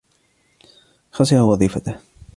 خسر وظيفته.